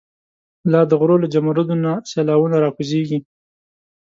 لا دغرو له جمدرونو، سیلاوونه ر ا کوزیږی